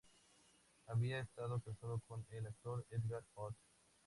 Había estado casada con el actor Edgar Ott.